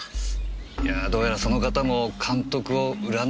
いやどうやらその方も監督を恨んでたらしくて。